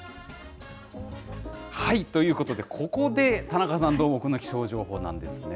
ということで、ここで田中さん、どーもくんの気象情報なんですね。